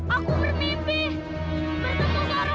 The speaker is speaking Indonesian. aku bermimpi bertemu seorang wanita yang minta tolong